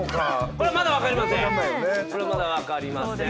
それはまだ分かりません。